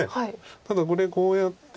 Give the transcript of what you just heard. ただこれこうやって。